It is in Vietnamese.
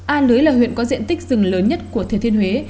a lưới là huyện có diện tích rừng lớn nhất của thừa thiên huế